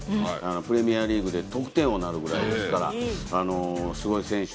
プレミアリーグで得点王になるぐらいですからすごい選手。